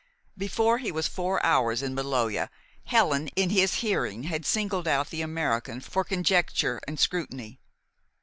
Before he was four hours in Maloja, Helen, in his hearing, had singled out the American for conjecture and scrutiny.